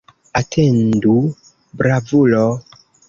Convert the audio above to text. Atendu, bravulo!